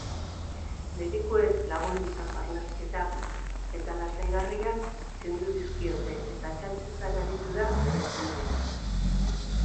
Medikuek lagundutako arnasketa eta lasaigarriak kendu dizkiote eta txantxetan aritu da bere senideekin.